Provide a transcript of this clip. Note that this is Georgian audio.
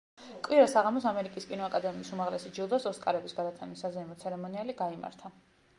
კვირა საღამოს ამერიკის კინოაკადემიის უმაღლესი ჯილდოს -ოსკარების- გადაცემის საზეიმო ცერემონიალი გაიმართა.